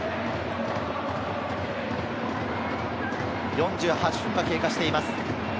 ４８分が経過しています。